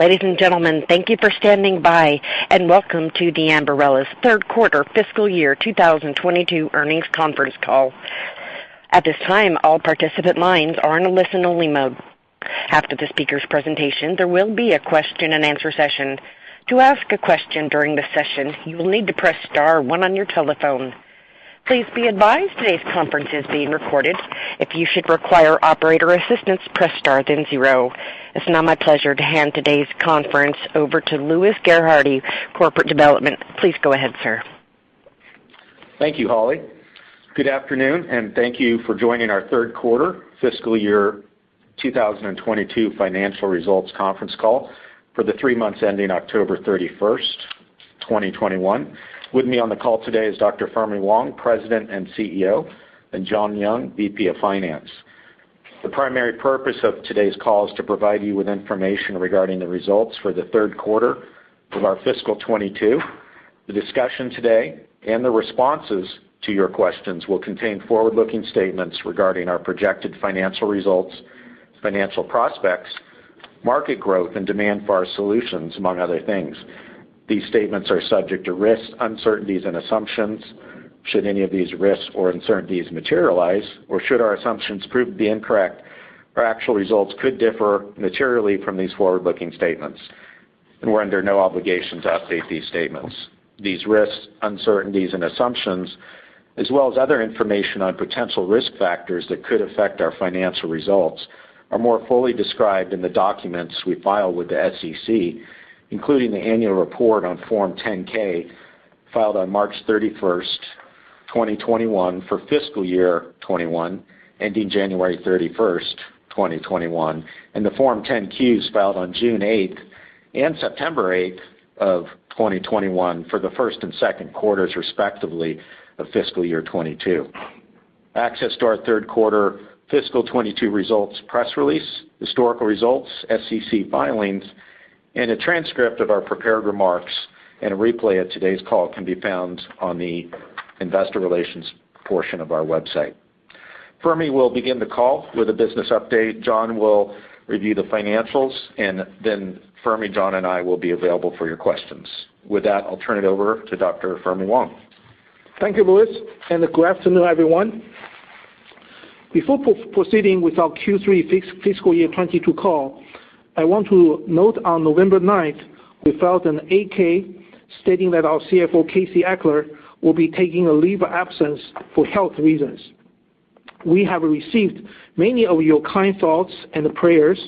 Ladies and gentlemen, thank you for standing by, and welcome to Ambarella's Q3 fiscal year 2022 earnings conference call. At this time, all participant lines are in a listen-only mode. After the speaker's presentation, there will be a question-and-answer session. To ask a question during the session, you will need to press star one on your telephone. Please be advised today's conference is being recorded. If you should require operator assistance, press star then zero. It's now my pleasure to hand today's conference over to Louis Gerhardy, corporate development. Please go ahead, sir. Thank you, Holly. Good afternoon, and thank you for joining our Q3 fiscal year 2022 financial results conference call for the three months ending October 31, 2021. With me on the call today is Dr. Fermi Wang, President and CEO, and John Young, VP of Finance. The primary purpose of today's call is to provide you with information regarding the results for the Q3 of our fiscal 2022. The discussion today and the responses to your questions will contain forward-looking statements regarding our projected financial results, financial prospects, market growth, and demand for our solutions, among other things. These statements are subject to risks, uncertainties, and assumptions. Should any of these risks or uncertainties materialize or should our assumptions prove to be incorrect, our actual results could differ materially from these forward-looking statements. We're under no obligation to update these statements. These risks, uncertainties, and assumptions, as well as other information on potential risk factors that could affect our financial results, are more fully described in the documents we file with the SEC, including the annual report on Form 10-K, filed on March 31, 2021 for fiscal year 2021 ending January 31, 2021, and the Form 10-Qs filed on June 8 and September 8 of 2021 for the first and Q2s, respectively, of fiscal year 2022. Access to our Q3 fiscal 2022 results press release, historical results, SEC filings, and a transcript of our prepared remarks and a replay of today's call can be found on the investor relations portion of our website. Fermi will begin the call with a business update. John will review the financials, and then Fermi, John, and I will be available for your questions. With that, I'll turn it over to Dr. Fermi Wang. Thank you, Louis, and good afternoon, everyone. Before proceeding with our Q3 fiscal year 2022 call, I want to note on November 9, we filed an 8-K stating that our CFO, Casey Eichler, will be taking a leave of absence for health reasons. We have received many of your kind thoughts and prayers,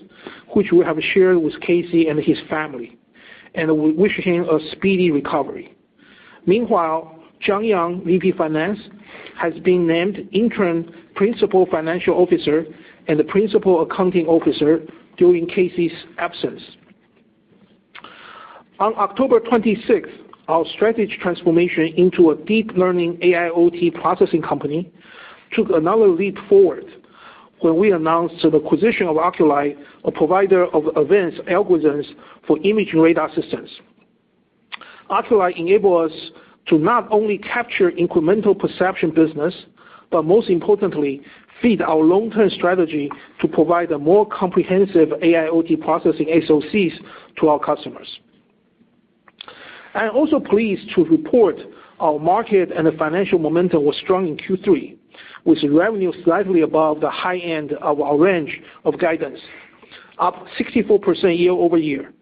which we have shared with Casey and his family, and we wish him a speedy recovery. Meanwhile, John Young, VP Finance, has been named Interim Principal Financial Officer and the Principal Accounting Officer during Casey's absence. On October 26, our strategy transformation into a deep learning AIoT processing company took another leap forward when we announced the acquisition of Oculii, a provider of advanced algorithms for image radar systems. Oculii enable us to not only capture incremental perception business, but most importantly, feed our long-term strategy to provide a more comprehensive AIoT processing SoCs to our customers. I am also pleased to report our market and the financial momentum was strong in Q3, with revenue slightly above the high end of our range of guidance, up 64% year-over-year.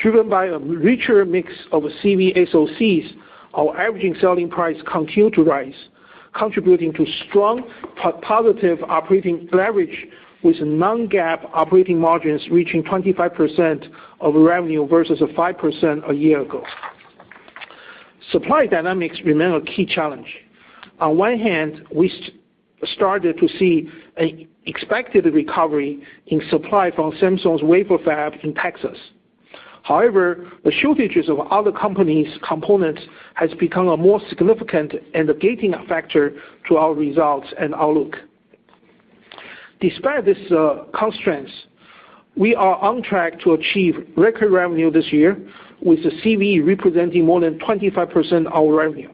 Driven by a richer mix of CV SoCs, our average selling price continued to rise, contributing to strong but positive operating leverage, with non-GAAP operating margins reaching 25% of revenue versus 5% a year ago. Supply dynamics remain a key challenge. On one hand, we started to see an expected recovery in supply from Samsung's wafer fab in Texas. However, the shortages of other companies' components have become a more significant and a gating factor to our results and outlook. Despite these constraints, we are on track to achieve record revenue this year, with the CV representing more than 25% of our revenue.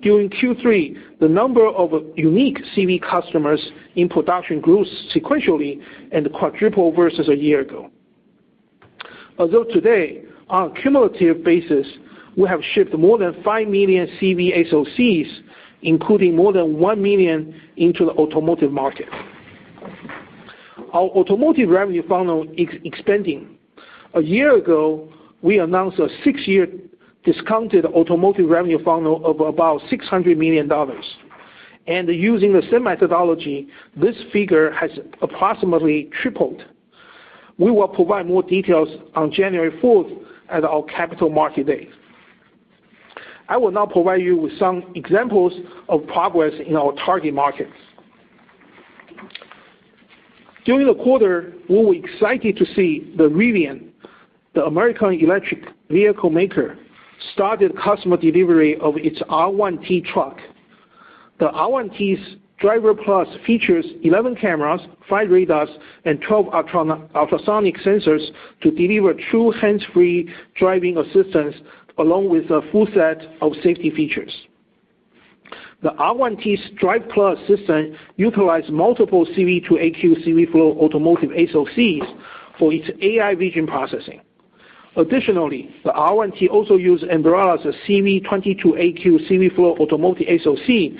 During Q3, the number of unique CV customers in production grew sequentially and quadrupled versus a year ago. As of today, on a cumulative basis, we have shipped more than 5 million CV SoCs, including more than 1 million into the automotive market. Our automotive revenue funnel is expanding. A year ago, we announced a six-year discounted automotive revenue funnel of about $600 million. Using the same methodology, this figure has approximately tripled. We will provide more details on January 4 at our Capital Markets Day. I will now provide you with some examples of progress in our target markets. During the quarter, we were excited to see Rivian, the American electric vehicle maker, start customer delivery of its R1T truck. The R1T's Driver+ features 11 cameras, 5 radars, and 12 ultra-ultrasonic sensors to deliver true hands-free driving assistance along with a full set of safety features. The R1T's Driver+ system utilize multiple CV28AQ CVflow automotive SoCs for its AI vision processing. Additionally, the R1T also use Ambarella's CV22AQ CVflow automotive SoC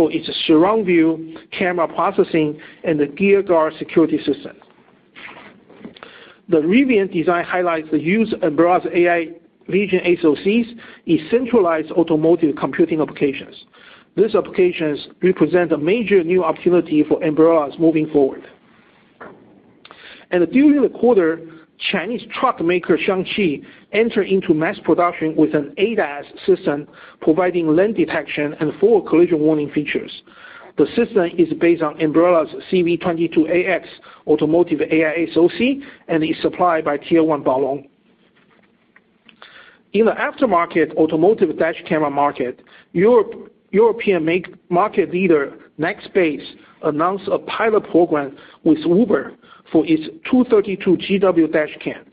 for its surround view camera processing and the Gear Guard security system. The Rivian design highlights the use Ambarella's AI vision SoCs in centralized automotive computing applications. These applications represent a major new opportunity for Ambarella moving forward. During the quarter, Chinese truck maker Shaanxi enter into mass production with an ADAS system providing lane detection and forward collision warning features. The system is based on Ambarella's CV22AX automotive AI SoC and is supplied by Tier 1 Bolo. In the aftermarket automotive dash camera market, European market leader Nextbase announced a pilot program with Uber for its 232GW dashcam.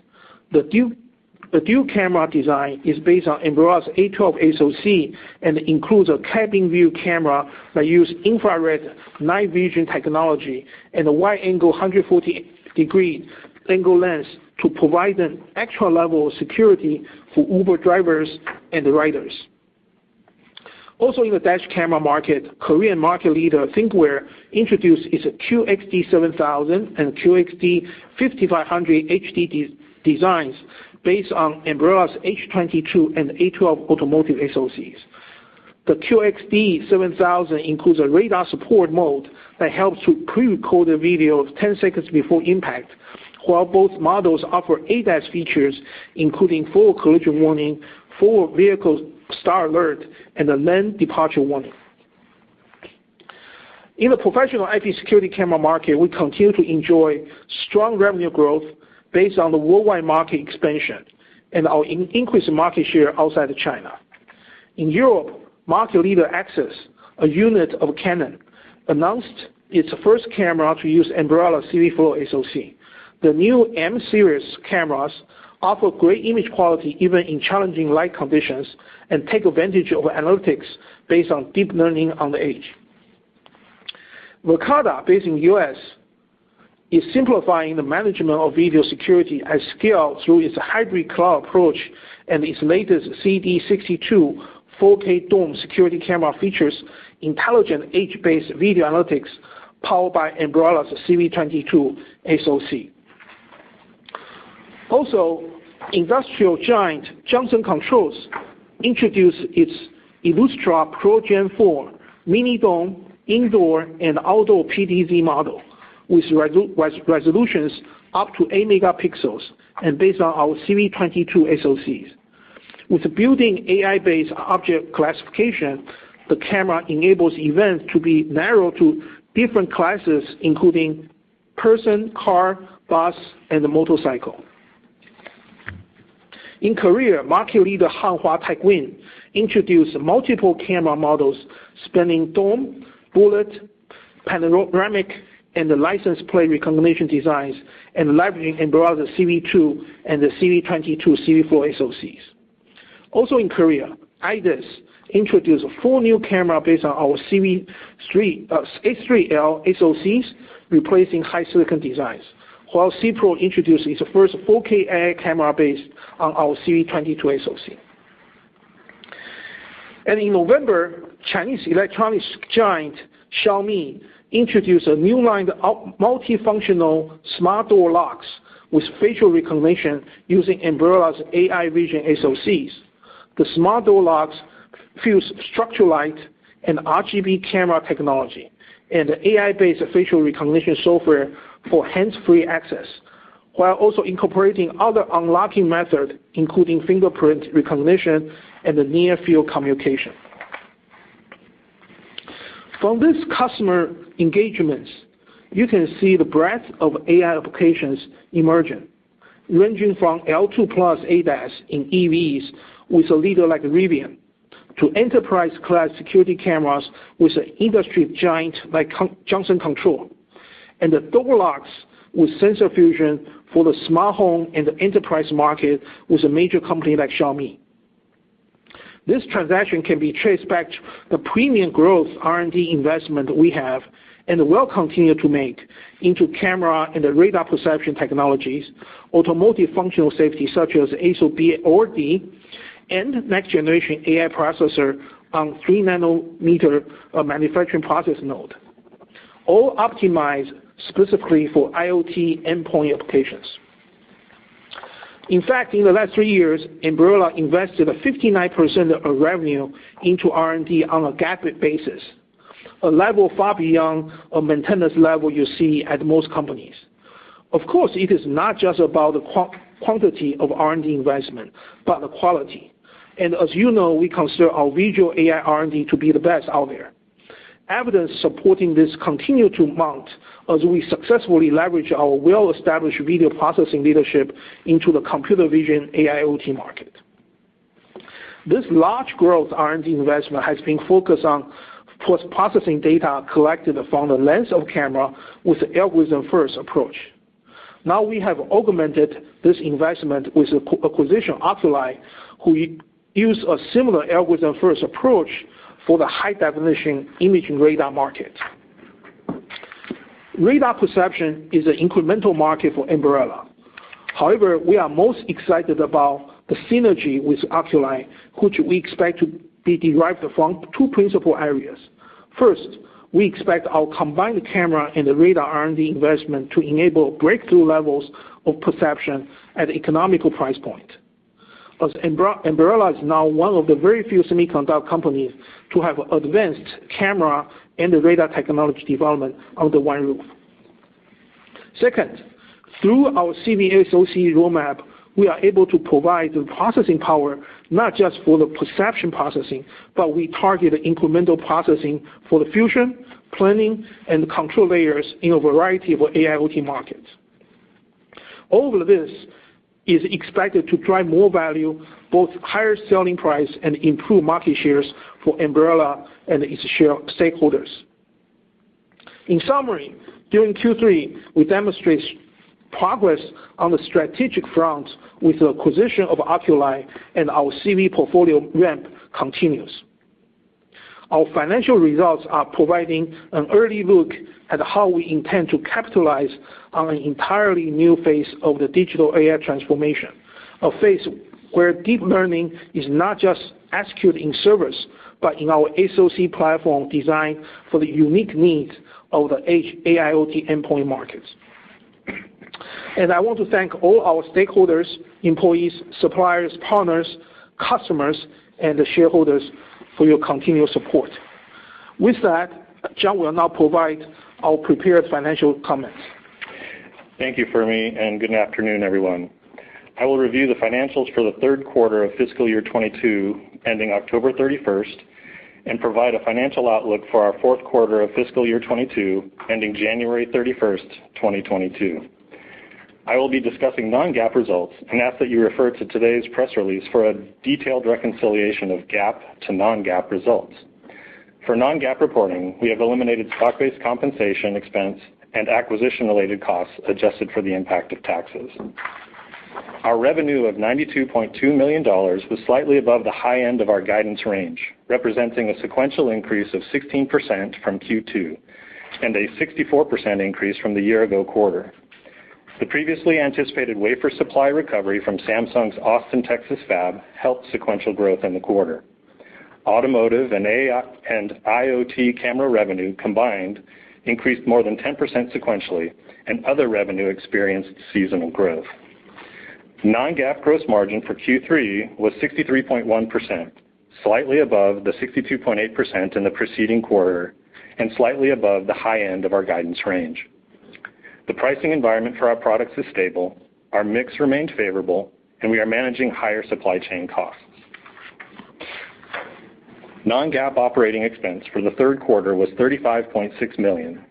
The dual-camera design is based on Ambarella's A12 SoC and includes a cabin view camera that use infrared night vision technology and a wide angle 140-degree angle lens to provide an extra level of security for Uber drivers and the riders. In the dash camera market, Korean market leader Thinkware introduced its QXD7000 and QXD5500 HD designs based on Ambarella's H22 and A12 automotive SoCs. The QXD7000 includes a radar support mode that helps to pre-record a video 10 seconds before impact, while both models offer ADAS features, including forward collision warning, forward vehicle start alert, and a lane departure warning. In the professional IP security camera market, we continue to enjoy strong revenue growth based on the worldwide market expansion and our increased market share outside of China. In Europe, market leader Axis, a unit of Canon, announced its first camera to use Ambarella CVflow SoC. The new M series cameras offer great image quality even in challenging light conditions and take advantage of analytics based on deep learning on the edge. Verkada, based in U.S., is simplifying the management of video security at scale through its hybrid cloud approach and its latest CD62 4K dome security camera features intelligent edge-based video analytics powered by Ambarella's CV22 SoC. Also, industrial giant Johnson Controls introduced its Illustra Pro Gen 4 mini dome indoor and outdoor PTZ model with resolutions up to eight megapixels and based on our CV22 SoCs. With built-in AI-based object classification, the camera enables events to be narrowed to different classes, including person, car, bus, and motorcycle. In Korea, market leader Hanwha Techwin introduced multiple camera models spanning dome, bullet, panoramic, and the license plate recognition designs, and leveraging Ambarella's CV2 and the CV22 CVflow SoCs. Also in Korea, IDIS introduced four new camera based on our CV3, H3L SoCs, replacing HiSilicon designs. While CPRO introduced its first 4K AI camera based on our CV22 SoC. In November, Chinese electronics giant Xiaomi introduced a new line of multifunctional smart door locks with facial recognition using Ambarella's AI vision SoCs. The smart door locks fuse structural light and RGB camera technology and AI-based facial recognition software for hands-free access, while also incorporating other unlocking method, including fingerprint recognition and the near-field communication. From these customer engagements, you can see the breadth of AI applications emerging, ranging from L2+ ADAS in EVs with a leader like Rivian to enterprise-class security cameras with an industry giant like Johnson Controls, and the door locks with sensor fusion for the smart home and the enterprise market with a major company like Xiaomi. This transaction can be traced back to the premium growth R&D investment we have and will continue to make into camera and the radar perception technologies, automotive functional safety such as ASIL B or D, and next generation AI processor on 3-nanometer manufacturing process node, all optimized specifically for IoT endpoint applications. In fact, in the last three years, Ambarella invested 59% of revenue into R&D on a GAAP basis, a level far beyond a maintenance level you see at most companies. Of course, it is not just about the quantity of R&D investment, but the quality. As you know, we consider our visual AI R&D to be the best out there. Evidence supporting this continue to mount as we successfully leverage our well-established video processing leadership into the computer vision AI IoT market. This large growth R&D investment has been focused on processing data collected from the lens of camera with the algorithm-first approach. Now we have augmented this investment with acquisition Oculii, who use a similar algorithm-first approach for the high definition imaging radar market. Radar perception is an incremental market for Ambarella. However, we are most excited about the synergy with Oculii, which we expect to be derived from two principal areas. First, we expect our combined camera and the radar R&D investment to enable breakthrough levels of perception at economical price point. As Ambarella is now one of the very few semiconductor companies to have advanced camera and radar technology development under one roof. Second, through our CV SoC roadmap, we are able to provide the processing power not just for the perception processing, but we target incremental processing for the fusion, planning, and control layers in a variety of AIoT markets. All of this is expected to drive more value, both higher selling price and improved market shares for Ambarella and its shareholders. In summary, during Q3, we demonstrate progress on the strategic front with the acquisition of Oculii and our CV portfolio ramp continues. Our financial results are providing an early look at how we intend to capitalize on an entirely new phase of the digital AI transformation, a phase where deep learning is not just executed in servers, but in our SoC platform design for the unique needs of the AIoT endpoint markets. I want to thank all our stakeholders, employees, suppliers, partners, customers and shareholders for your continuous support. With that, John will now provide our prepared financial comments. Thank you, Fermi, and good afternoon, everyone. I will review the financials for the Q3 of fiscal year 2022, ending October 31, and provide a financial outlook for our Q4 of fiscal year 2022, ending January 31, 2022. I will be discussing non-GAAP results and ask that you refer to today's press release for a detailed reconciliation of GAAP to non-GAAP results. For non-GAAP reporting, we have eliminated stock-based compensation expense and acquisition-related costs adjusted for the impact of taxes. Our revenue of $92.2 million was slightly above the high end of our guidance range, representing a sequential increase of 16% from Q2, and a 64% increase from the year ago quarter. The previously anticipated wafer supply recovery from Samsung's Austin, Texas fab helped sequential growth in the quarter. Automotive and AI and IoT camera revenue combined increased more than 10% sequentially, and other revenue experienced seasonal growth. Non-GAAP gross margin for Q3 was 63.1%, slightly above the 62.8% in the preceding quarter, and slightly above the high end of our guidance range. The pricing environment for our products is stable, our mix remains favorable, and we are managing higher supply chain costs. Non-GAAP operating expense for the Q3 was $35.6 million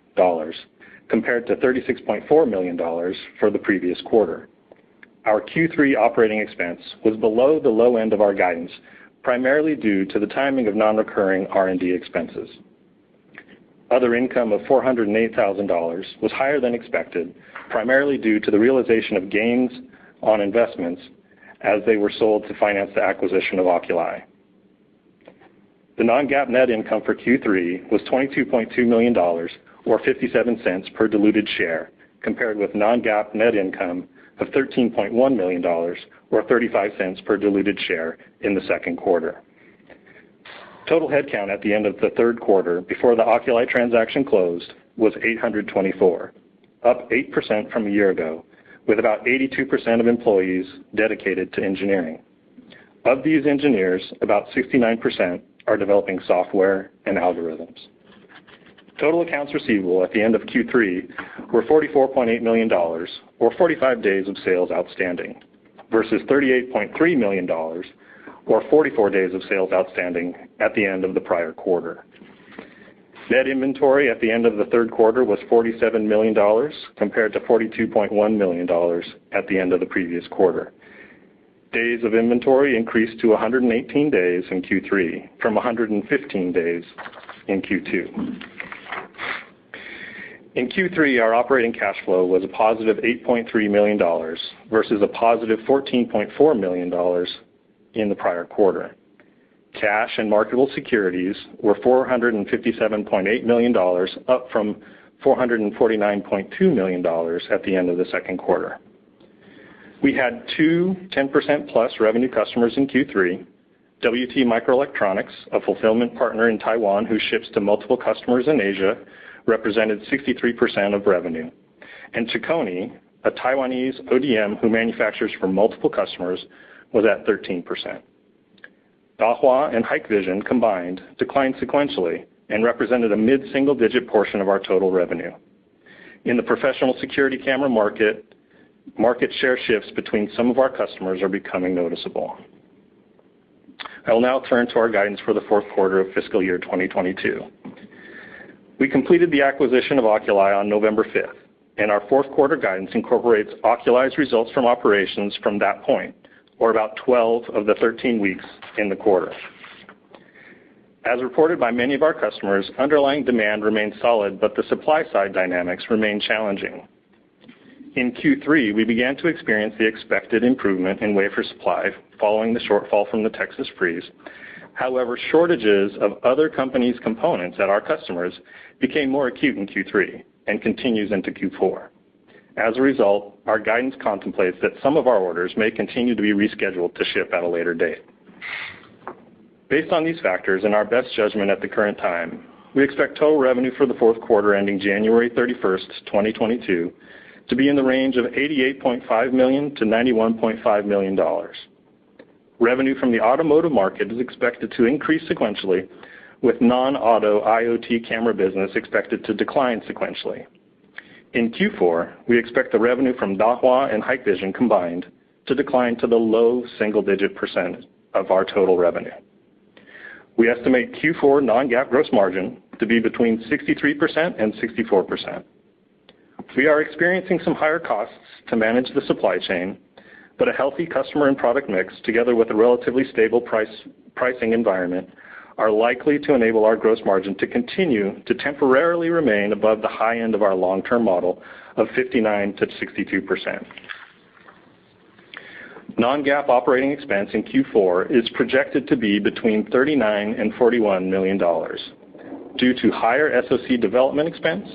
compared to $36.4 million for the previous quarter. Our Q3 operating expense was below the low end of our guidance, primarily due to the timing of non-recurring R&D expenses. Other income of $408,000 was higher than expected, primarily due to the realization of gains on investments as they were sold to finance the acquisition of Oculii. The non-GAAP net income for Q3 was $22.2 million or $0.57 per diluted share, compared with non-GAAP net income of $13.1 million or $0.35 per diluted share in the Q2. Total headcount at the end of the Q3 before the Oculii transaction closed was 824, up 8% from a year ago, with about 82% of employees dedicated to engineering. Of these engineers, about 69% are developing software and algorithms. Total accounts receivable at the end of Q3 were $44.8 million or 45 days of sales outstanding, versus $38.3 million or 44 days of sales outstanding at the end of the prior quarter. Net inventory at the end of the Q3 was $47 million compared to $42.1 million at the end of the previous quarter. Days of inventory increased to 118 days in Q3 from 115 days in Q2. In Q3, our operating cash flow was a +$8.3 million versus a +$14.4 million in the prior quarter. Cash and marketable securities were $457.8 million, up from $449.2 million at the end of the Q2. We had two 10%+ revenue customers in Q3. WT Microelectronics, a fulfillment partner in Taiwan who ships to multiple customers in Asia, represented 63% of revenue. Chicony, a Taiwanese ODM who manufactures for multiple customers, was at 13%. Dahua and Hikvision combined declined sequentially and represented a mid-single digit portion of our total revenue. In the professional security camera market share shifts between some of our customers are becoming noticeable. I will now turn to our guidance for the Q4 of fiscal year 2022. We completed the acquisition of Oculii on November 5, and our Q4 guidance incorporates Oculii's results from operations from that point, or about 12 of the 13 weeks in the quarter. As reported by many of our customers, underlying demand remains solid, but the supply side dynamics remain challenging. In Q3, we began to experience the expected improvement in wafer supply following the shortfall from the Texas freeze. However, shortages of other components at our customers became more acute in Q3 and continues into Q4. As a result, our guidance contemplates that some of our orders may continue to be rescheduled to ship at a later date. Based on these factors and our best judgment at the current time, we expect total revenue for the Q4 ending January 31, 2022, to be in the range of $88.5 million-$91.5 million. Revenue from the automotive market is expected to increase sequentially, with non-auto IoT camera business expected to decline sequentially. In Q4, we expect the revenue from Dahua and Hikvision combined to decline to the low single-digit % of our total revenue. We estimate Q4 non-GAAP gross margin to be between 63% and 64%. We are experiencing some higher costs to manage the supply chain, but a healthy customer and product mix, together with a relatively stable pricing environment, are likely to enable our gross margin to continue to temporarily remain above the high end of our long-term model of 59%-62%. Non-GAAP operating expense in Q4 is projected to be between $39 million and $41 million due to higher SoC development expense,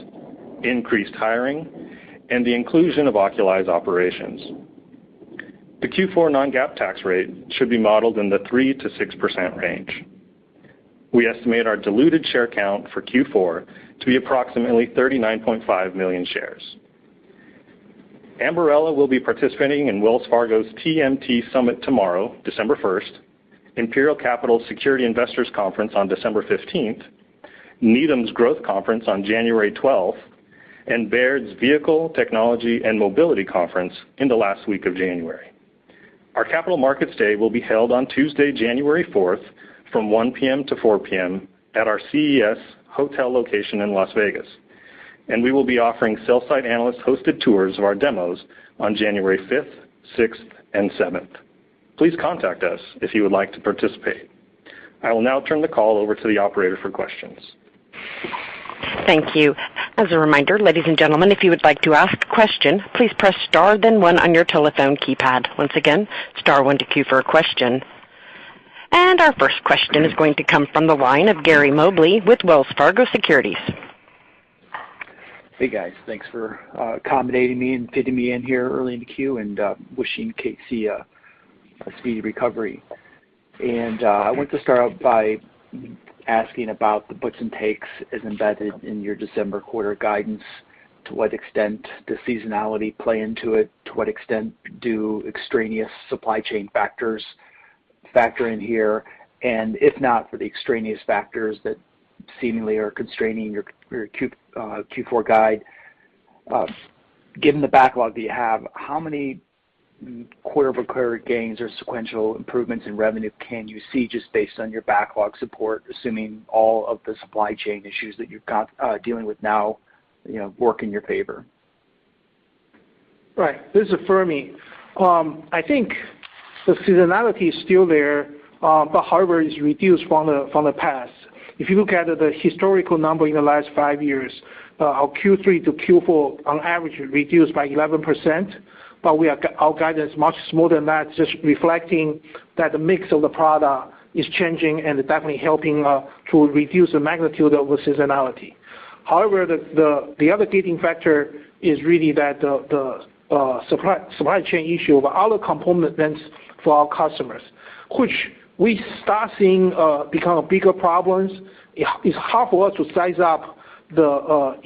increased hiring, and the inclusion of Oculii's operations. The Q4 non-GAAP tax rate should be modeled in the 3%-6% range. We estimate our diluted share count for Q4 to be approximately 39.5 million shares. Ambarella will be participating in Wells Fargo's TMT Summit tomorrow, December first, Imperial Capital Security Investors Conference on December fifteenth, Needham's Growth Conference on January twelfth, and Baird's Vehicle, Technology and Mobility Conference in the last week of January. Our Capital Markets Day will be held on Tuesday, January fourth, from 1 P.M. to 4 P.M. at our CES hotel location in Las Vegas, and we will be offering sell side analyst-hosted tours of our demos on January fifth, sixth, and seventh. Please contact us if you would like to participate. I will now turn the call over to the operator for questions. Thank you. As a reminder, ladies and gentlemen, if you would like to ask a question, please press star then one on your telephone keypad. Once again, star one to queue for a question. Our first question is going to come from the line of Gary Mobley with Wells Fargo Securities. Hey, guys. Thanks for accommodating me and fitting me in here early in the queue, and wishing Casey a speedy recovery. I want to start out by asking about the puts and takes as embedded in your December quarter guidance. To what extent does seasonality play into it? To what extent do extraneous supply chain factors factor in here? If not for the extraneous factors that seemingly are constraining your Q4 guide, given the backlog that you have, how many quarter-over-quarter gains or sequential improvements in revenue can you see just based on your backlog support, assuming all of the supply chain issues that you've got dealing with now, you know, work in your favor? Right. This is Fermi. I think the seasonality is still there, but however, it's reduced from the past. If you look at the historical number in the last five years, our Q3-Q4 on average reduced by 11%, but our guidance much smoother than that, just reflecting that the mix of the product is changing and definitely helping to reduce the magnitude of the seasonality. However, the other gating factor is really that the supply chain issue of other component vendors for our customers, which we start seeing become bigger problems. It's hard for us to size up the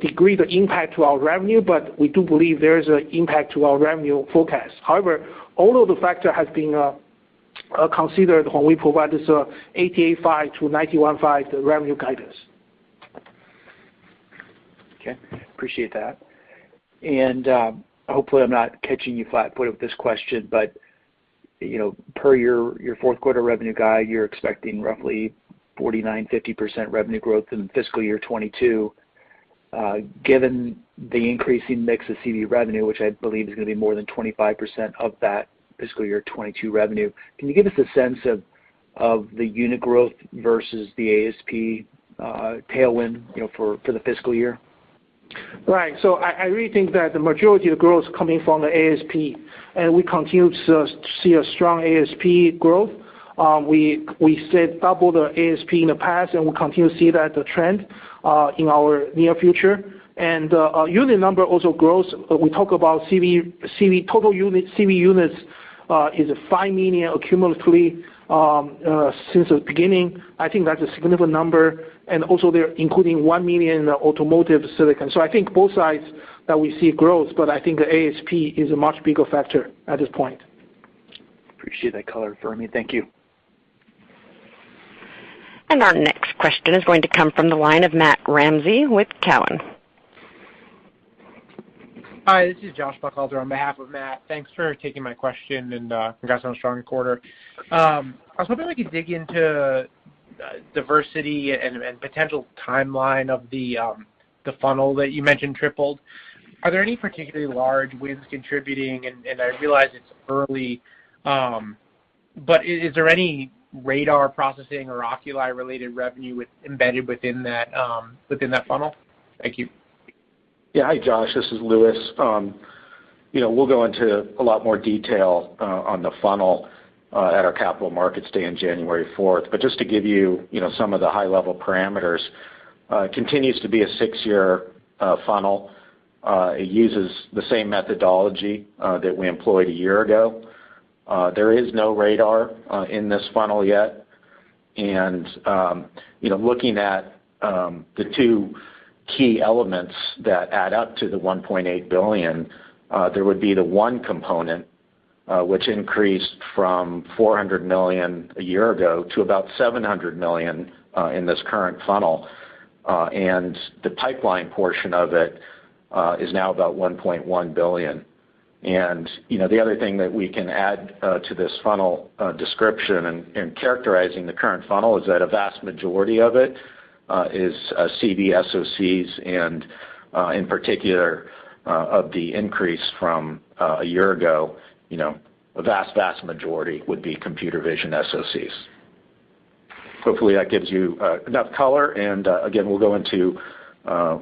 degree, the impact to our revenue, but we do believe there is an impact to our revenue forecast. However, all of the factors have been considered when we provide this $88.5-$91.5 revenue guidance. Okay. Appreciate that. Hopefully I'm not catching you flat-footed with this question, but you know, per your Q4 revenue guide, you're expecting roughly 49%-50% revenue growth in fiscal year 2022. Given the increasing mix of CV revenue, which I believe is gonna be more than 25% of that fiscal year 2022 revenue, can you give us a sense of the unit growth versus the ASP tailwind for the fiscal year? Right. I really think that the majority of the growth is coming from the ASP, and we continue to see a strong ASP growth. We said double the ASP in the past, and we'll continue to see that trend in our near future. Unit number also grows. We talk about CV total unit, CV units is 5 million accumulatively since the beginning. I think that's a significant number, and also they're including 1 million automotive silicon. I think both sides that we see growth, but I think the ASP is a much bigger factor at this point. Appreciate that color, Fermi. Thank you. Our next question is going to come from the line of Matt Ramsay with Cowen. Hi, this is Josh Buchalter on behalf of Matt. Thanks for taking my question and, congrats on a strong quarter. I was hoping we could dig into diversity and potential timeline of the funnel that you mentioned tripled. Are there any particularly large wins contributing? I realize it's early, but is there any radar processing or Oculii-related revenue embedded within that funnel? Thank you. Yeah. Hi, Josh. This is Louis. You know, we'll go into a lot more detail on the funnel at our Capital Markets Day in January fourth. Just to give you know, some of the high level parameters, continues to be a 6-year funnel. It uses the same methodology that we employed a year ago. There is no radar in this funnel yet. You know, looking at the two key elements that add up to the $1.8 billion, there would be the one component which increased from $400 million a year ago to about $700 million in this current funnel. The pipeline portion of it is now about $1.1 billion. You know, the other thing that we can add to this funnel description and characterizing the current funnel is that a vast majority of it is CV SoCs and, in particular, of the increase from a year ago, you know, a vast majority would be computer vision SoCs. Hopefully that gives you enough color, and again, we'll go into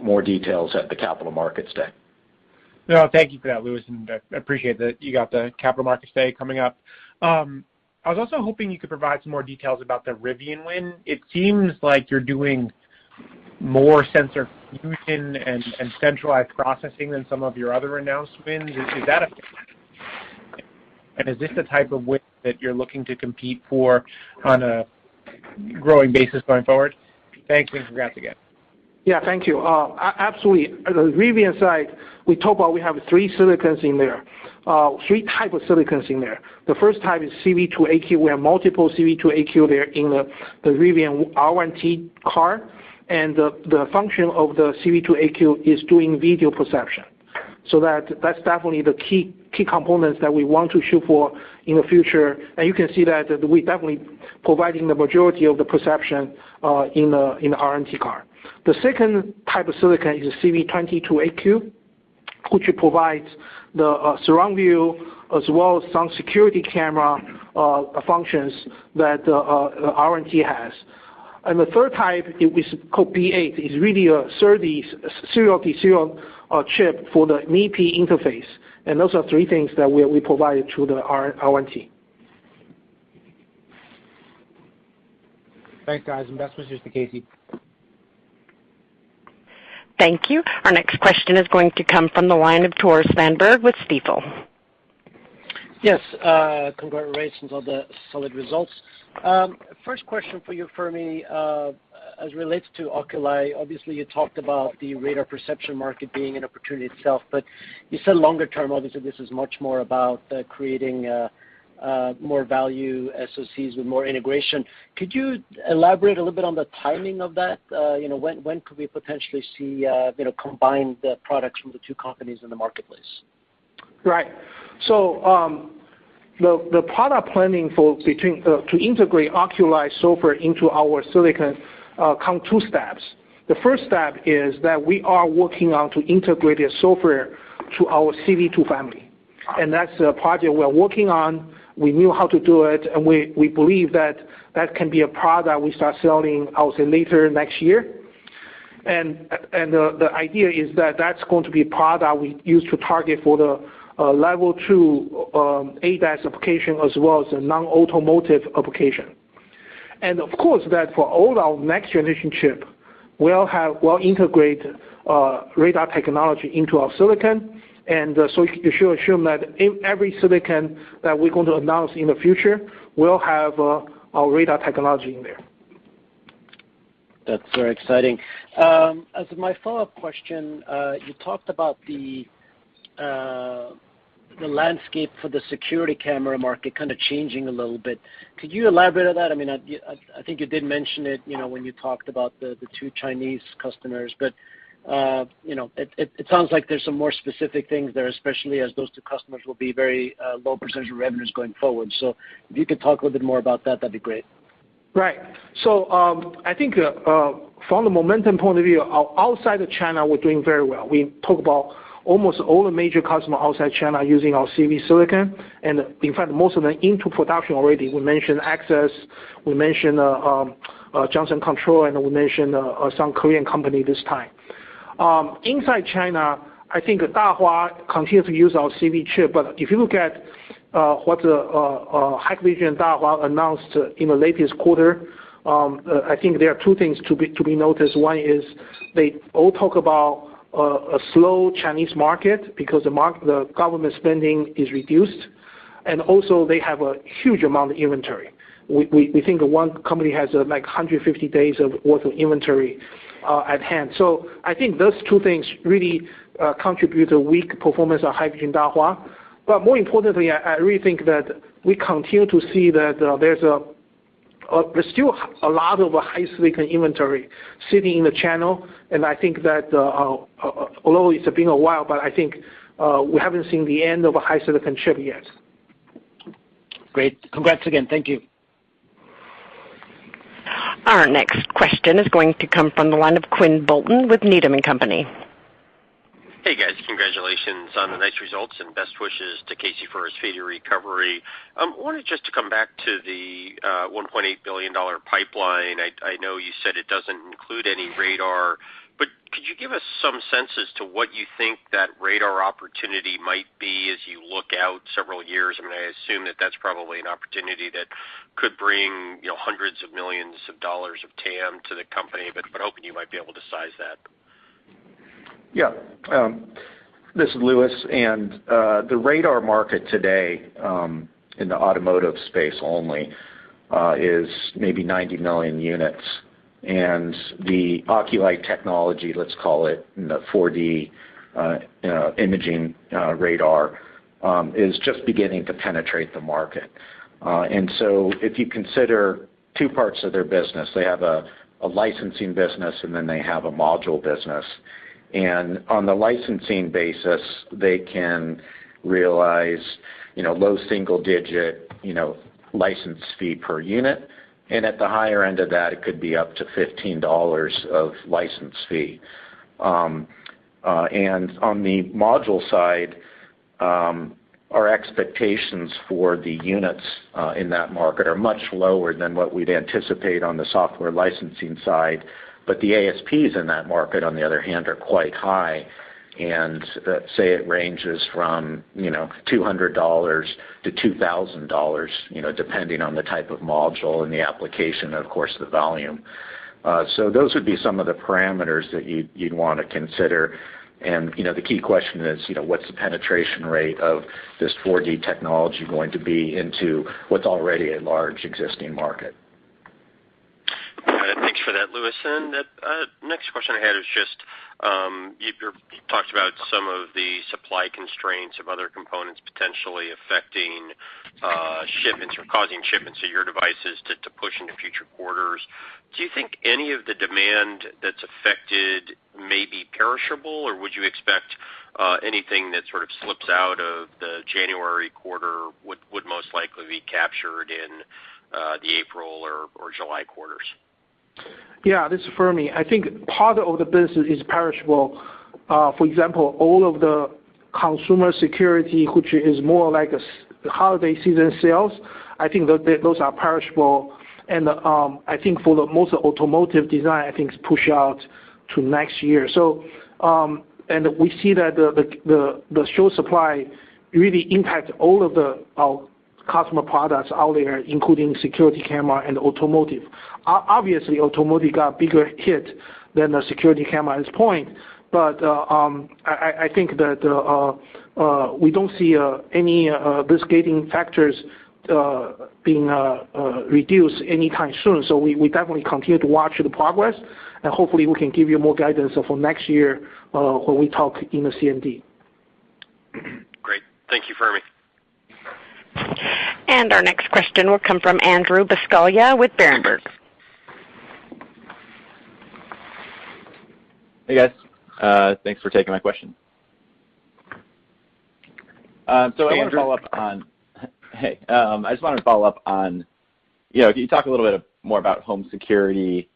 more details at the capital markets day. No, thank you for that, Louis, and I appreciate that you got the Capital Markets Day coming up. I was also hoping you could provide some more details about the Rivian win. It seems like you're doing more sensor fusion and centralized processing than some of your other announced wins. Is that, and is this the type of win that you're looking to compete for on a growing basis going forward? Thanks, and congrats again. Yeah, thank you. Absolutely. The Rivian side, we talk about we have three types of silicons in there. The first type is CV28AQ. We have multiple CV28AQ there in the Rivian R1T car, and the function of the CV28AQ is doing video perception. That's definitely the key components that we want to shoot for in the future. You can see that we're definitely providing the majority of the perception in the R1T car. The second type of silicon is CV22AQ, which provides the surround view as well as some security camera functions that R1T has. The third type is called B8. It's really a SerDes, serial to serial, chip for the MIPI interface. Those are three things that we provided to the R1T. Thanks, guys. Investment is to Casey. Thank you. Our next question is going to come from the line of Tore Svanberg with Stifel. Yes. Congratulations on the solid results. First question for you, Fermi, as relates to Oculii, obviously you talked about the radar perception market being an opportunity itself. You said longer term, obviously this is much more about creating more value SoCs with more integration. Could you elaborate a little bit on the timing of that? You know, when could we potentially see, you know, combined products from the two companies in the marketplace? Right. The product planning to integrate Oculii's software into our silicon comes in two steps. The first step is that we are working on to integrate the software into our CV2 family, and that's a project we are working on. We know how to do it, and we believe that can be a product we start selling, I'll say, later next year. The idea is that that's going to be a product we use to target the level two ADAS application as well as a non-automotive application. Of course, for all our next generation chips, we'll integrate radar technology into our silicon. You should assume that every silicon that we're going to announce in the future will have our radar technology in there. That's very exciting. As my follow-up question, you talked about the landscape for the security camera market kind of changing a little bit. Could you elaborate on that? I mean, I think you did mention it, you know, when you talked about the two Chinese customers, but you know, it sounds like there's some more specific things there, especially as those two customers will be very low percentage of revenues going forward. If you could talk a little bit more about that'd be great. Right. I think from the momentum point of view, outside of China, we're doing very well. We talk about almost all the major customer outside China using our CV silicon, and in fact, most of them into production already. We mentioned Axis, we mentioned Johnson Controls, and we mentioned some Korean company this time. Inside China, I think Dahua continues to use our CV chip. If you look at what Hikvision and Dahua announced in the latest quarter, I think there are two things to be noticed. One is they all talk about a slow Chinese market because the government spending is reduced, and also they have a huge amount of inventory. We think one company has, like, 150 days worth of inventory at hand. I think those two things really contribute a weak performance of Hikvision and Dahua. More importantly, I really think that we continue to see that there's still a lot of HiSilicon inventory sitting in the channel. I think that although it's been a while, but I think we haven't seen the end of a HiSilicon chip yet. Great. Congrats again. Thank you. Our next question is going to come from the line of Quinn Bolton with Needham & Company. Hey, guys. Congratulations on the nice results and best wishes to Casey for his speedy recovery. I wanted just to come back to the $1.8 billion pipeline. I know you said it doesn't include any radar, but could you give us some sense as to what you think that radar opportunity might be as you look out several years? I mean, I assume that that's probably an opportunity that could bring, you know, hundreds of millions of dollars of TAM to the company, but hoping you might be able to size that. Yeah. This is Louis. The radar market today in the automotive space only is maybe 90 million units. The Oculii technology, let's call it the 4D imaging radar, is just beginning to penetrate the market. If you consider two parts of their business, they have a licensing business, and then they have a module business. On the licensing basis, they can realize you know, low single digit you know, license fee per unit. At the higher end of that, it could be up to $15 of license fee. On the module side, our expectations for the units in that market are much lower than what we'd anticipate on the software licensing side. The ASPs in that market, on the other hand, are quite high. Let's say it ranges from, you know, $200-$2,000, you know, depending on the type of module and the application and of course, the volume. Those would be some of the parameters that you'd wanna consider. You know, the key question is, you know, what's the penetration rate of this 4D technology going to be into what's already a large existing market. All right. Thanks for that, Louis. The next question I had is just you talked about some of the supply constraints of other components potentially affecting shipments or causing shipments of your devices to push into future quarters. Do you think any of the demand that's affected may be perishable, or would you expect anything that sort of slips out of the January quarter would most likely be captured in the April or July quarters? This is Fermi. I think part of the business is perishable. For example, all of the consumer security, which is more like a seasonal holiday season sales, I think those are perishable. I think for the most automotive design, I think it's pushed out to next year. We see that the short supply really impacts all of our customer products out there, including security camera and automotive. Obviously, automotive got bigger hit than the security camera at this point. I think that we don't see any this gating factors being reduced anytime soon. We definitely continue to watch the progress, and hopefully we can give you more guidance for next year when we talk in the CMD. Great. Thank you, Fermi. Our next question will come from Andrew Buscaglia with Berenberg. Hey, guys. Thanks for taking my question. I wanna follow up on Andrew? Hey. I just wanna follow up on, you know, can you talk a little bit more about home security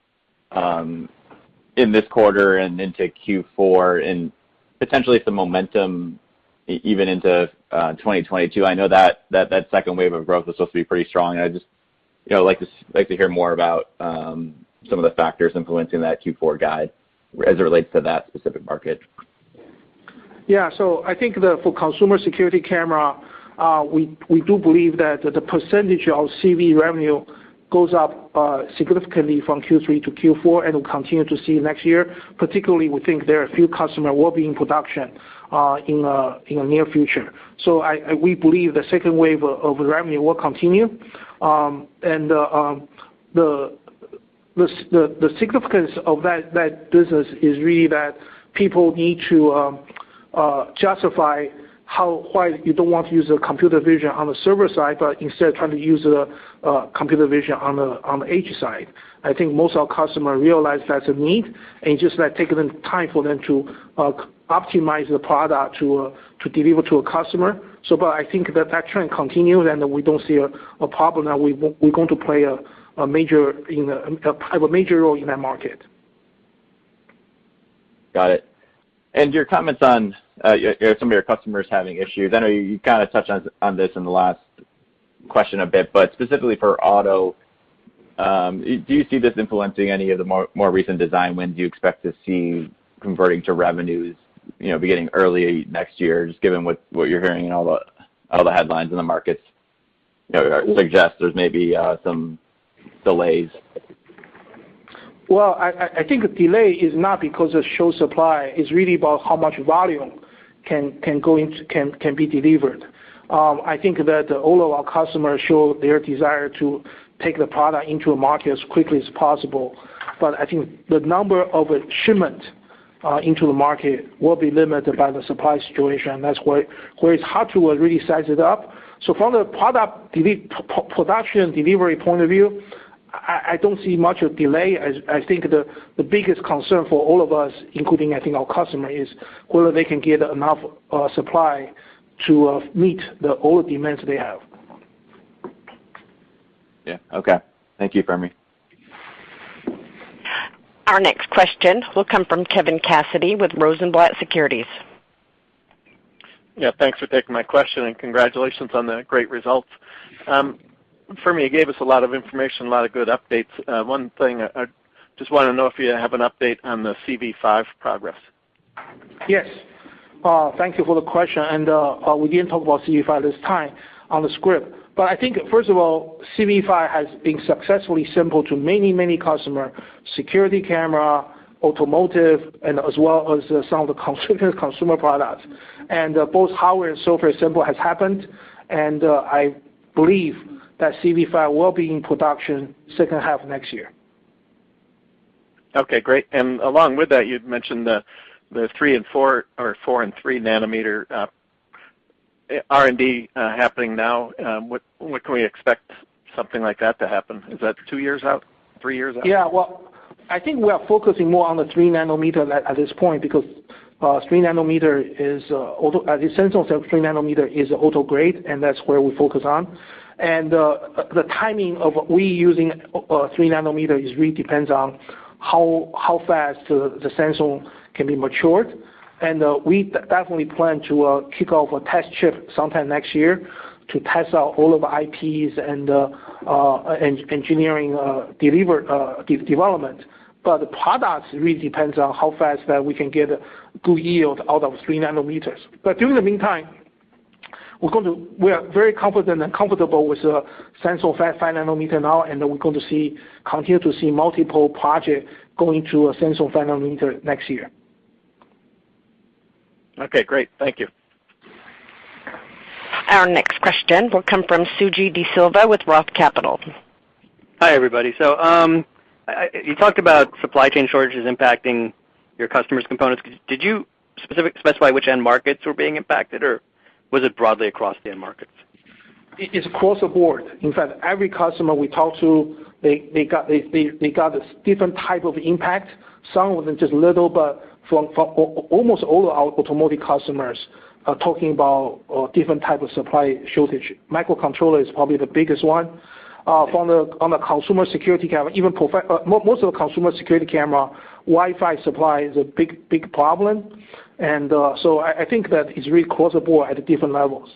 in this quarter and into Q4 and potentially if the momentum even into 2022? I know that second wave of growth was supposed to be pretty strong. I just, you know, like to hear more about some of the factors influencing that Q4 guide as it relates to that specific market. I think for consumer security camera, we do believe that the percentage of CV revenue goes up significantly from Q3-Q4 and will continue to see next year. Particularly, we think there are a few customer will be in production in the near future. We believe the second wave of revenue will continue. The significance of that business is really that people need to justify why you don't want to use a computer vision on the server side, but instead trying to use a computer vision on the edge side. I think most of our customer realize that's a need, and it's just taking time for them to optimize the product to deliver to a customer. I think that trend continues, and we don't see a problem that we're going to play a major, you know, a major role in that market. Got it. Your comments on some of your customers having issues. I know you kinda touched on this in the last question a bit, but specifically for auto, do you see this influencing any of the more recent design wins you expect to see converting to revenues, you know, beginning early next year, just given what you're hearing and all the headlines in the markets, you know, suggest there's maybe some delays? Well, I think delay is not because of short supply. It's really about how much volume can be delivered. I think that all of our customers show their desire to take the product into a market as quickly as possible. I think the number of shipments into the market will be limited by the supply situation. That's why it's hard to really size it up. From the production delivery point of view, I don't see much of delay. I think the biggest concern for all of us, including our customer, is whether they can get enough supply to meet all the demands they have. Yeah. Okay. Thank you, Fermi. Our next question will come from Kevin Cassidy with Rosenblatt Securities. Yeah, thanks for taking my question, and congratulations on the great results. For me, you gave us a lot of information, a lot of good updates. One thing I just wanna know if you have an update on the CV5 progress. Yes. Thank you for the question. We didn't talk about CV5 this time on the script. I think first of all, CV5 has been successfully sampled to many, many customer, security camera, automotive, and as well as some of the consumer products. Both hardware and software sample has happened. I believe that CV5 will be in production H2 of next year. Okay, great. Along with that, you'd mentioned the 3-nanometer and 4-nanometer or 4-nanometer and 3-nanometer R&D happening now, when can we expect something like that to happen? Is that two years out, three years out? Yeah. Well, I think we are focusing more on the 3-nanometer at this point because 3-nanometer is auto-grade, and that's essential, and that's where we focus on. The timing of we using 3-nanometer really depends on how fast the sensor can be matured. We definitely plan to kick off a test chip sometime next year to test out all of IPs and engineering development. The products really depends on how fast that we can get good yield out of 3 nanometers. During the meantime, we are very confident and comfortable with sensor 5-nanometer now, and we are going to continue to see multiple project going to a sensor 5-nanometer next year. Okay, great. Thank you. Our next question will come from Suji De Silva with Roth Capital. Hi, everybody. You talked about supply chain shortages impacting your customers' components. Did you specify which end markets were being impacted, or was it broadly across the end markets? It is across the board. In fact, every customer we talk to, they got a different type of impact. Some of them just a little, but almost all our automotive customers are talking about a different type of supply shortage. Microcontroller is probably the biggest one. On the consumer security camera, most of the consumer security camera, Wi-Fi supply is a big problem. I think that it's really across the board at different levels.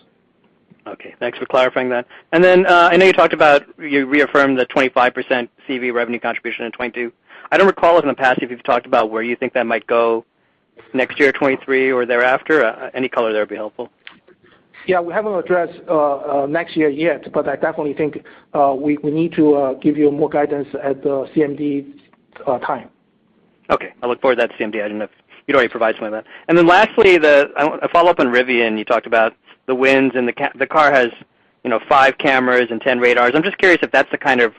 Okay. Thanks for clarifying that. I know you reaffirmed the 25% CV revenue contribution in 2022. I don't recall if in the past, you've talked about where you think that might go next year, 2023, or thereafter. Any color there would be helpful. Yeah. We haven't addressed next year yet, but I definitely think we need to give you more guidance at the CMD time. Okay. I look forward to that CMD. I don't know if you'd already provide some of that. I want a follow-up on Rivian. You talked about the wins and the car has 5 cameras and 10 radars. I'm just curious if that's the kind of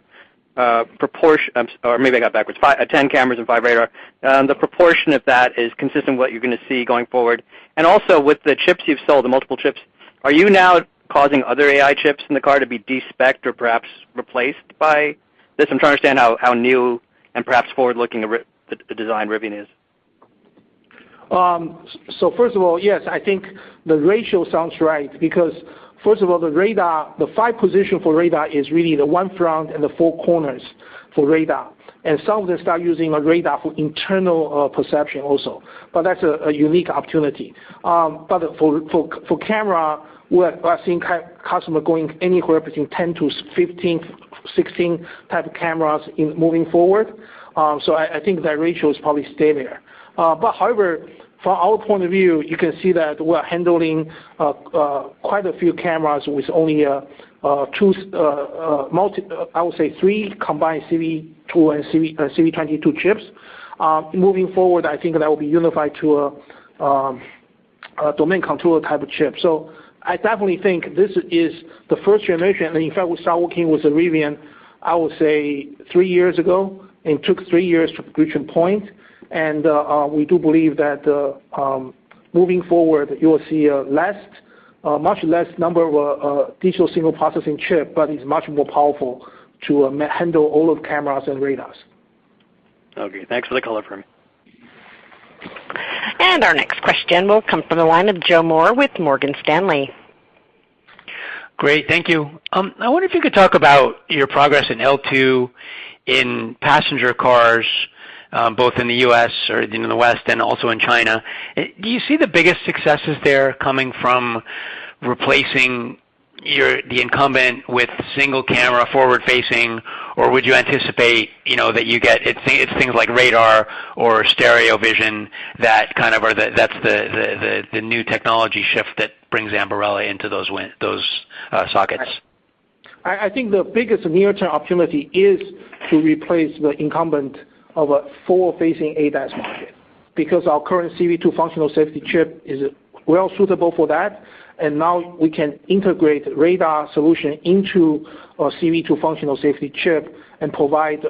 proportion or maybe I got backwards. 10 cameras and 5 radars. The proportion of that is consistent what you're gonna see going forward. With the chips you've sold, the multiple chips, are you now causing other AI chips in the car to be de-specced or perhaps replaced by this? I'm trying to understand how new and perhaps forward-looking the design Rivian is. First of all, yes, I think the ratio sounds right because first of all, the radar, the 5 positions for radar are really the 1 front and the 4 corners for radar. Some of them start using a radar for internal perception also. That's a unique opportunity. For cameras, I've seen customer going anywhere between 10 to 15-16 type of cameras moving forward. I think that ratio is probably stay there. However, from our point of view, you can see that we're handling quite a few cameras with only two, I would say three combined CV2 and CV22 chips. Moving forward, I think that will be unified to a domain controller type of chip. I definitely think this is the first generation. In fact, we start working with Rivian, I would say three years ago, and took three years to reach a point. We do believe that moving forward, you will see a much less number of digital signal processing chip, but it's much more powerful to handle all of cameras and radars. Okay. Thanks for the color, Fermi. Our next question will come from the line of Joseph Moore with Morgan Stanley. Great. Thank you. I wonder if you could talk about your progress in L2, in passenger cars, both in the U.S. or in the West and also in China. Do you see the biggest successes there coming from replacing the incumbent with single camera forward-facing, or would you anticipate that it's things like radar or stereo vision that's the new technology shift that brings Ambarella into those sockets? I think the biggest near-term opportunity is to replace the incumbent of a forward-facing ADAS market because our current CV2 functional safety chip is well suitable for that, and now we can integrate radar solution into a CV2 functional safety chip and provide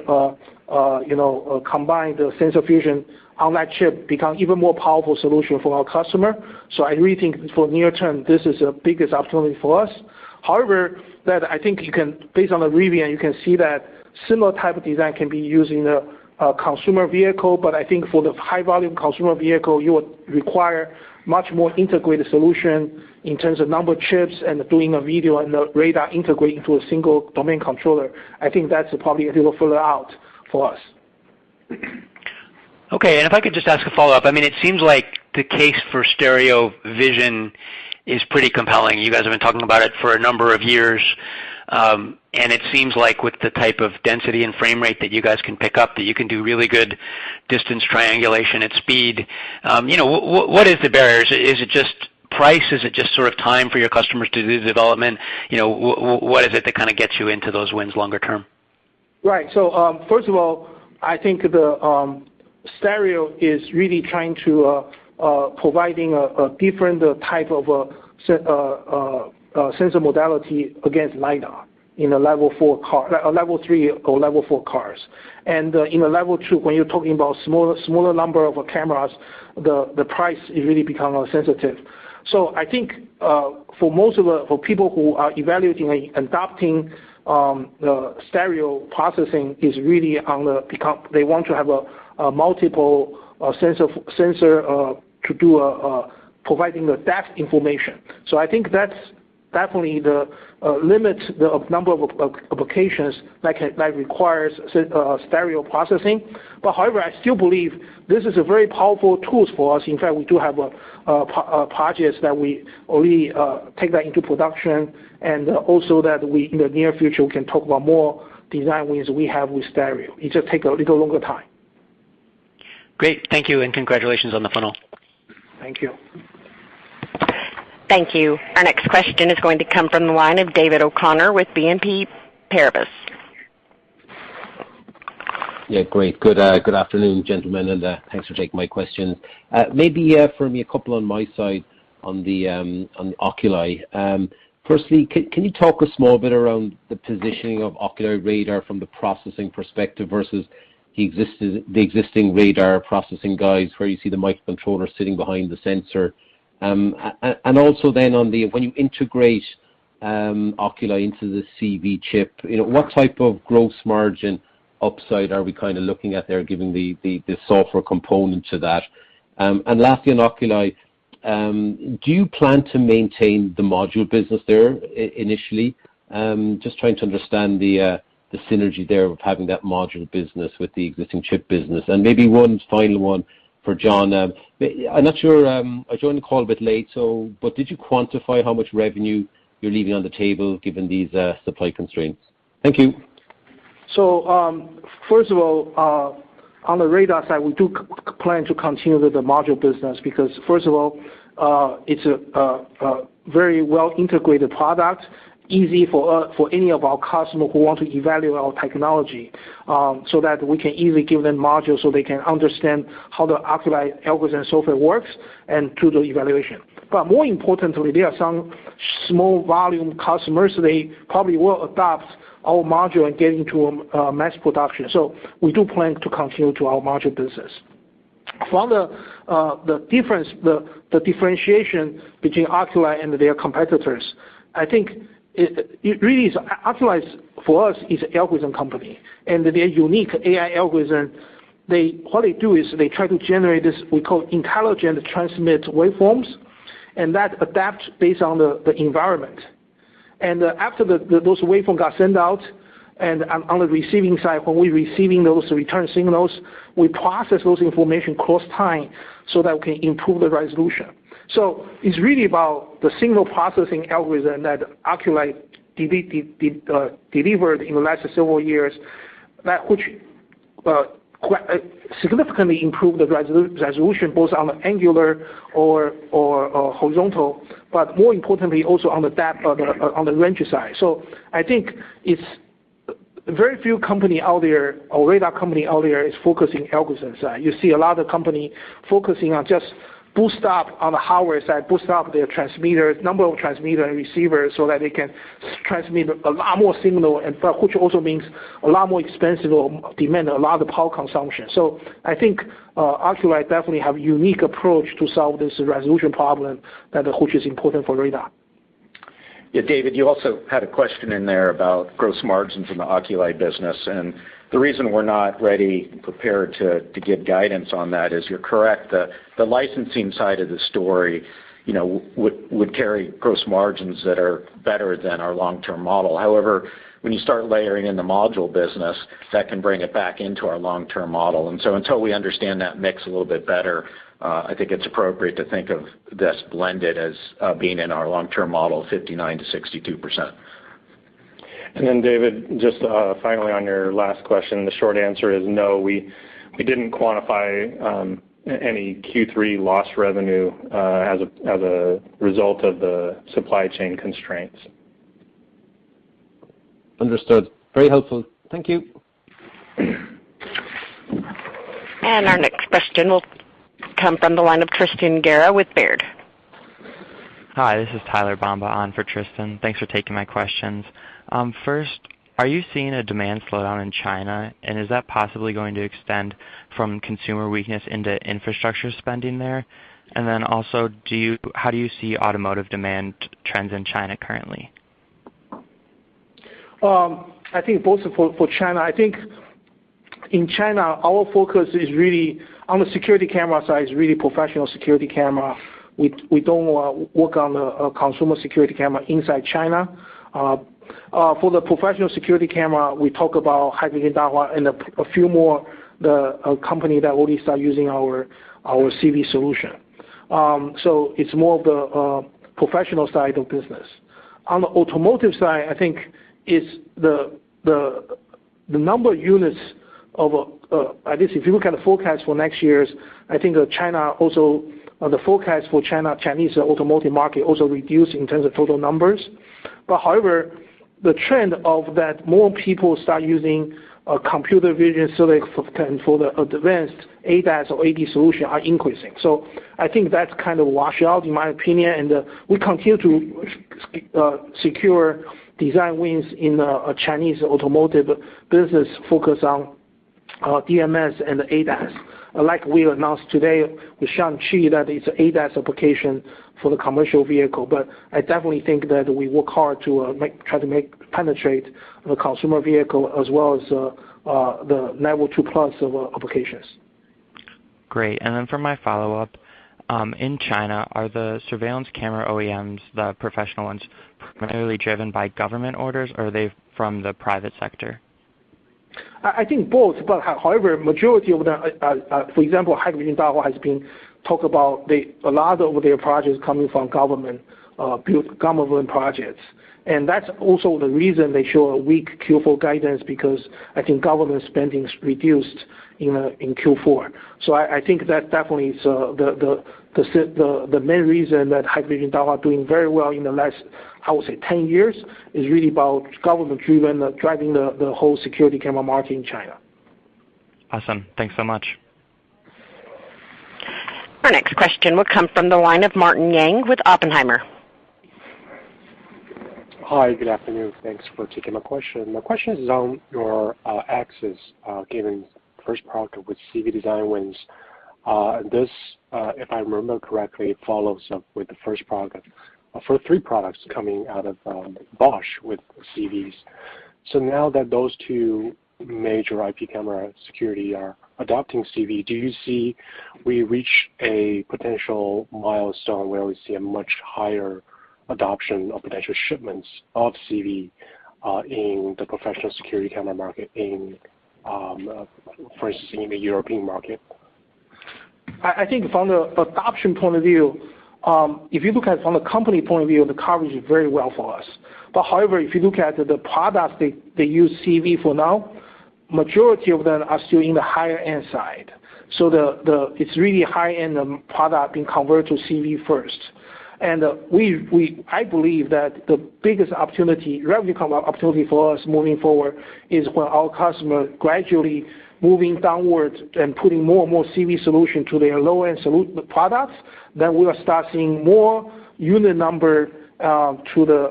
you know a combined sensor fusion on that chip, become even more powerful solution for our customer. I really think for near term, this is the biggest opportunity for us. However, that I think, based on the Rivian, you can see that similar type of design can be used in a consumer vehicle, but I think for the high volume consumer vehicle, you would require much more integrated solution in terms of number of chips and doing a video and the radar integrating to a single domain controller. I think that's probably a little further out for us. Okay. If I could just ask a follow-up. I mean, it seems like the case for stereo vision is pretty compelling. You guys have been talking about it for a number of years. It seems like with the type of density and frame rate that you guys can pick up, that you can do really good distance triangulation at speed. You know, what is the barriers? Is it just price? Is it just sort of time for your customers to do the development? You know, what is it that kind of gets you into those wins longer term? Right. First of all, I think the stereo is really trying to providing a different type of a sensor modality against LIDAR in a Level 4 car, a Level 3 or Level 4 cars. In a Level 2, when you're talking about smaller number of cameras, the price really become sensitive. I think for most of the, for people who are evaluating and adopting, the stereo processing is really on the become. They want to have a multiple sensor to do providing the depth information. I think that's definitely the limits the number of applications that can that requires stereo processing. However, I still believe this is a very powerful tools for us. In fact, we do have projects that we already take that into production, and also that we, in the near future, can talk about more design wins we have with stereo. It just take a little longer time. Great. Thank you and congratulations on the funnel. Thank you. Thank you. Our next question is going to come from the line of David O'Connor with BNP Paribas. Yeah, great. Good afternoon, gentlemen, and thanks for taking my questions. Maybe for me, a couple on my side on Oculii. Firstly, can you talk a small bit around the positioning of Oculii radar from the processing perspective versus the existing radar processing guys, where you see the microcontroller sitting behind the sensor. And also then when you integrate Oculii into the CV chip, you know, what type of gross margin upside are we kind of looking at there, given the software component to that? And lastly, on Oculii, do you plan to maintain the module business there initially? Just trying to understand the synergy there of having that module business with the existing chip business. Maybe one final one for John. I'm not sure, I joined the call a bit late, so, but did you quantify how much revenue you're leaving on the table given these supply constraints? Thank you. First of all, on the radar side, we do plan to continue with the module business because, first of all, it's a very well integrated product, easy for any of our customer who want to evaluate our technology, so that we can easily give them modules so they can understand how the Oculii algorithm software works and to the evaluation. More importantly, there are some small volume customers, they probably will adopt our module and get into mass production. We do plan to continue to our module business. From the difference, the differentiation between Oculii and their competitors, I think it really is Oculii, for us, is algorithm company and their unique AI algorithm, what they do is they try to generate this, we call intelligent transmit waveforms, and that adapts based on the environment. After those waveforms got sent out and on the receiving side, when we're receiving those return signals, we process those information close time so that we can improve the resolution. It's really about the signal processing algorithm that Oculii delivered in the last several years that which significantly improve the resolution both on the angular or horizontal, but more importantly, also on the depth of the on the range side. I think it's very few company out there or radar company out there is focusing algorithm side. You see a lot of companies focusing on just boosting up on the hardware side, boosting up their transmitters, number of transmitters and receivers so that they can transmit a lot more signal, which also means a lot more expensive and demand a lot of power consumption. I think Oculii definitely have unique approach to solve this resolution problem that which is important for radar. Yeah, David, you also had a question in there about gross margins in the Oculii business. The reason we're not prepared to give guidance on that is you're correct. The licensing side of the story, you know, would carry gross margins that are better than our long-term model. However, when you start layering in the module business, that can bring it back into our long-term model. Until we understand that mix a little bit better, I think it's appropriate to think of this blended as being in our long-term model, 59%-62%. David, just finally on your last question, the short answer is no. We didn't quantify any Q3 loss revenue as a result of the supply chain constraints. Understood. Very helpful. Thank you. Our next question will come from the line of Tristan Gerra with Baird. Hi, this is Tyler Bomba on for Tristan. Thanks for taking my questions. First, are you seeing a demand slowdown in China, and is that possibly going to extend from consumer weakness into infrastructure spending there? How do you see automotive demand trends in China currently? I think both for China. I think in China, our focus is really on the security camera side, is really professional security camera. We don't work on the consumer security camera inside China. For the professional security camera, we talk about Hikvision, Dahua and a few more, the company that already start using our CV solution. So it's more of the professional side of business. On the automotive side, I think it's the number of units, at least if you look at the forecast for next year's, I think that the forecast for the Chinese automotive market also reduce in terms of total numbers. But however, the trend of that more people start using computer vision so they can for the advanced ADAS or AD solution are increasing. I think that's kind of wash out in my opinion. We continue to secure design wins in a Chinese automotive business focused on DMS and ADAS. Like we announced today with Shaanxi that it's ADAS application for the commercial vehicle. I definitely think that we work hard to try to penetrate the consumer vehicle as well as the level two plus of applications. Great. For my follow-up, in China, are the surveillance camera OEMs, the professional ones, primarily driven by government orders, or are they from the private sector? I think both. However, majority of the, for example, Hikvision Dahua has been talked about a lot of their projects coming from government projects. That's also the reason they show a weak Q4 guidance, because I think government spending is reduced in Q4. I think that definitely is the main reason that Hikvision Dahua are doing very well in the last, I would say 10 years, is really about government-driven driving the whole security camera market in China. Awesome. Thanks so much. Our next question will come from the line of Martin Yang with Oppenheimer. Hi. Good afternoon. Thanks for taking my question. My question is on your Axis giving first product with CV design wins. This, if I remember correctly, follows up with the first product for three products coming out of Bosch with CVs. Now that those two major IP camera security are adopting CV, do you see we reach a potential milestone where we see a much higher adoption of potential shipments of CV in the professional security camera market in, for instance, in the European market? I think from the adoption point of view, if you look at it from the company point of view, the coverage is very well for us. However, if you look at the products they use CV for now, majority of them are still in the higher end side. It's really high-end product being converted to CV first. I believe that the biggest revenue opportunity for us moving forward is when our customer gradually moving downwards and putting more and more CV solution to their low-end products, then we will start seeing more unit number to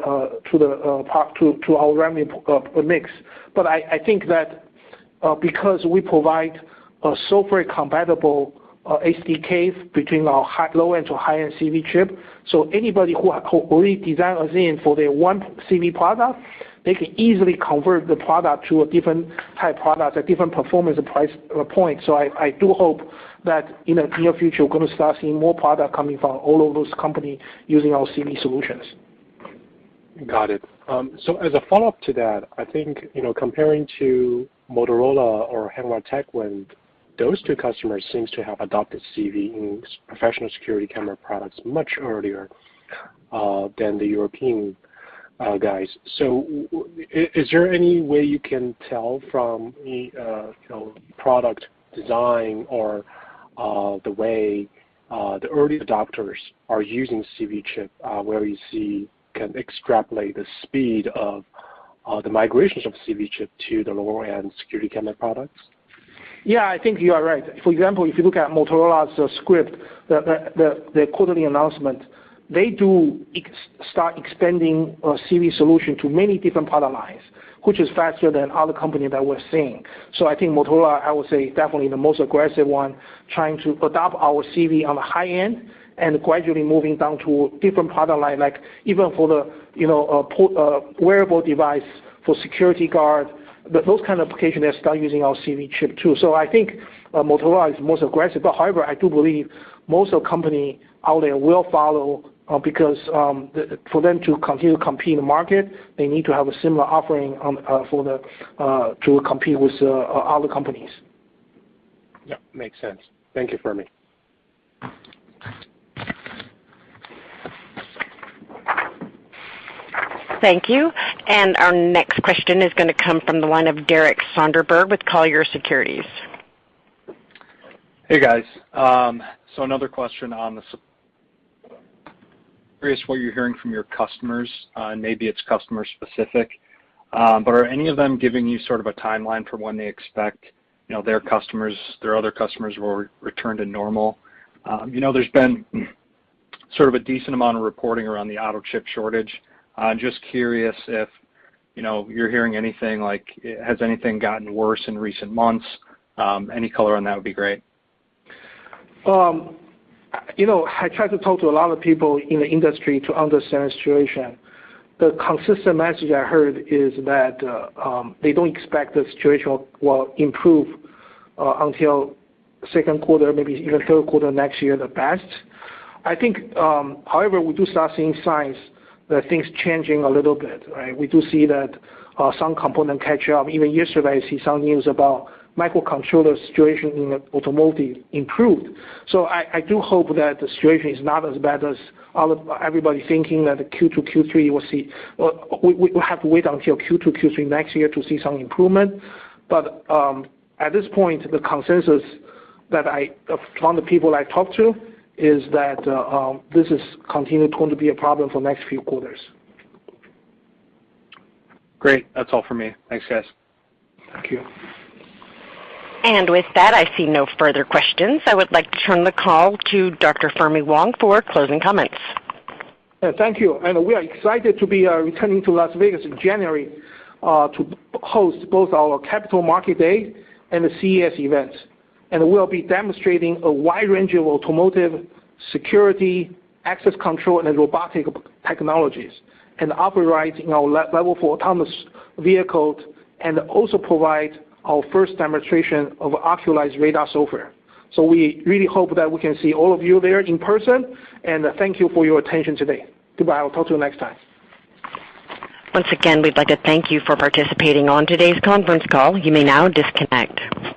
our revenue mix. I think that because we provide a software compatible SDKs between our low-end to high-end CV chip. Anybody who believe design is in for their one CV product, they can easily convert the product to a different high product at different performance and price point. I do hope that in the near future, we're gonna start seeing more product coming from all of those company using our CV solutions. Got it. As a follow-up to that, I think, you know, comparing to Motorola or Hanwha Techwin, those two customers seems to have adopted CV in professional security camera products much earlier than the European guys. Is there any way you can tell from any, you know, product design or the way the early adopters are using CV chip, where you see can extrapolate the speed of the migrations of CV chip to the lower-end security camera products? Yeah, I think you are right. For example, if you look at Motorola's script, the quarterly announcement, they do start expanding CV solution to many different product lines, which is faster than other company that we're seeing. I think Motorola, I would say, definitely the most aggressive one trying to adopt our CV on the high end and gradually moving down to different product line, like even for the, you know, wearable device for security guard. Those kind of application, they start using our CV chip too. I think Motorola is most aggressive. However, I do believe most of company out there will follow, because for them to continue to compete in the market, they need to have a similar offering, for the to compete with other companies. Yeah, makes sense. Thank you, Fermi. Thank you. Our next question is gonna come from the line of Derek Soderberg with Colliers Securities. Hey, guys. Another question. I'm curious what you're hearing from your customers, and maybe it's customer specific. Are any of them giving you sort of a timeline for when they expect, you know, their customers, their other customers will return to normal? You know, there's been sort of a decent amount of reporting around the auto chip shortage. I'm just curious if, you know, you're hearing anything, like has anything gotten worse in recent months? Any color on that would be great. You know, I tried to talk to a lot of people in the industry to understand the situation. The consistent message I heard is that they don't expect the situation will improve until Q2, maybe even Q3 next year at best. I think, however, we do start seeing signs that things changing a little bit, right? We do see that some component catch up. Even yesterday, I see some news about microcontroller situation in automotive improved. So I do hope that the situation is not as bad as others, everybody thinking that Q2, Q3, we'll see. We have to wait until Q2, Q3 next year to see some improvement. At this point, the consensus from the people I talked to is that this is going to be a problem for next few quarters. Great. That's all for me. Thanks, guys. Thank you. With that, I see no further questions. I would like to turn the call to Dr. Fermi Wang for closing comments. Yeah. Thank you. We are excited to be returning to Las Vegas in January to host both our Capital Market Day and the CES event. We'll be demonstrating a wide range of automotive security, access control, and robotic technologies, and operate our level four autonomous vehicles, and also provide our first demonstration of Oculii Radar software. We really hope that we can see all of you there in person, and thank you for your attention today. Goodbye. I'll talk to you next time. Once again, we'd like to thank you for participating on today's conference call. You may now disconnect.